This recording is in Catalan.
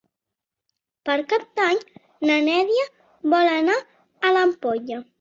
Per Cap d'Any na Neida vol anar a l'Ampolla.